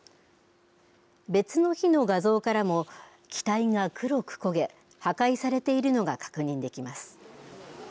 別の日の画像からも機体が黒く焦げ破壊されているのが確認できます。